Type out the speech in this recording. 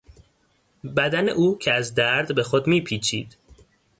بدن او که از درد به خود میپیچید